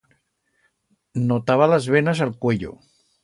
Notaba las venas a'l cuello.